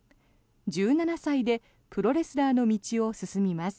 １７歳でプロレスラーの道を進みます。